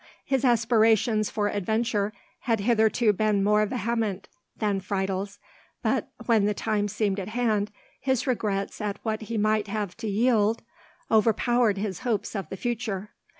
His aspirations for adventure had hitherto been more vehement than Friedel's; but, when the time seemed at hand, his regrets at what he might have to yield overpowered his hopes of the future.